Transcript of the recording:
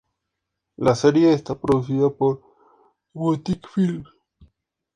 La serie, está producida por Boutique Filmes.